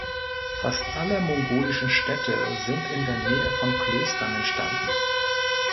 Fast alle mongolischen Städte sind in der Nähe von Klöstern entstanden.